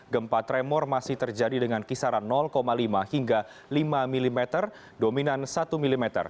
gempa tremor masih terjadi dengan kisaran lima hingga lima mm dominan satu mm